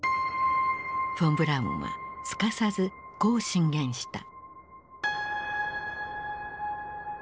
フォン・ブラウンはすかさずこう進言した。